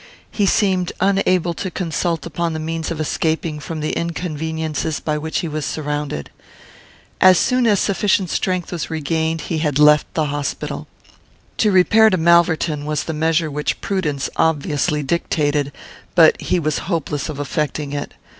He seemed unable to consult upon the means of escaping from the inconveniences by which he was surrounded. As soon as sufficient strength was regained, he had left the hospital. To repair to Malverton was the measure which prudence obviously dictated; but he was hopeless of effecting it.